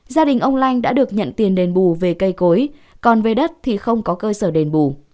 gia đình ông lanh đã được nhận tiền đền bù về cây cối còn về đất thì không có cơ sở đền bù